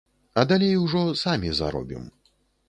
А далей ужо самі заробім.